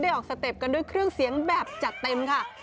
ออกสเต็ปกันด้วยเครื่องเสียงแบบจัดเต็มค่ะ